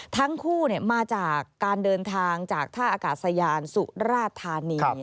ทั้งคู่มาจากการเดินทางจากท่าอากาศยานสุราธานี